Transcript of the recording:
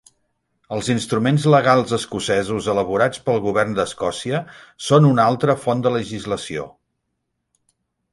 Els Instruments Legals Escocesos elaborats pel Govern d'Escòcia són una altre font de legislació.